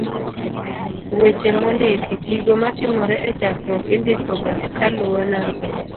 d-Weche mondiki. gigo matimore e chokruok indiko ga kaluwo namba